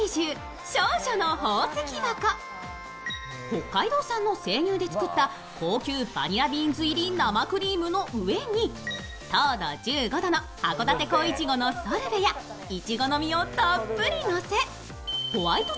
北海道産の生乳で作った高級バニラビーンズ入り生クリームの上に糖度１５度のはこだて恋いちごのソルベやいちごの実をたっぷりのせホワイト